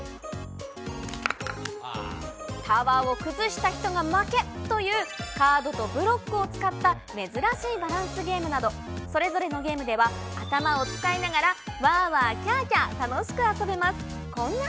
タワーを崩した人が負けというカードとブロックを使った珍しいバランスゲームなど、それぞれのゲームでは、頭を使いながら、わーわーきゃーきゃー楽しく遊べます。